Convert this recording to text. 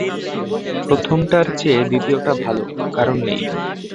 প্রথমটার চেয়ে দ্বিতীয়টা ভালো কারণ নেই।